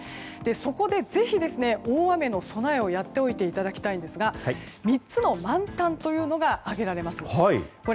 そこで、大雨の備えをやっておいていただきたいんですが３つの満タンというのが挙げられます。